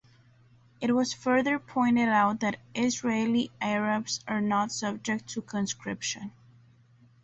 It was further pointed out that Israeli Arabs are not subject to conscription.